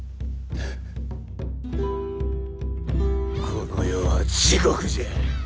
この世は地獄じゃ！